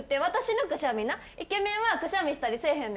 イケメンはくしゃみしたりせえへんねんで。